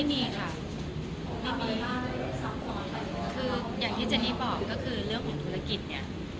ไม่มีค่ะอย่างที่เจนนี่บอกคือเรื่องของธุรกิจเนี้ย